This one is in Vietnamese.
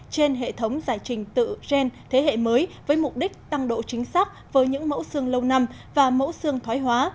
trên hệ thống giải trình tự gen thế hệ mới với mục đích tăng độ chính xác với những mẫu xương lâu năm và mẫu xương thoái hóa